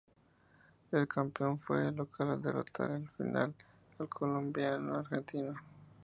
El campeón fue el local al derrotar en la final al combinado de Argentina.